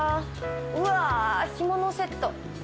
うわ干物セット。